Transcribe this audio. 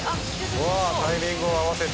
タイミングを合わせて。